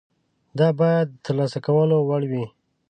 دا باید د ترلاسه کولو وړ وي.